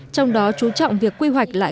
trong đó chú trọng việc quy hoạch lại